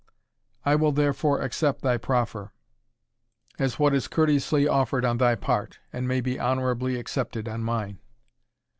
I will therefore accept of thy proffer, as what is courteously offered on thy part, and may be honourably accepted on mine."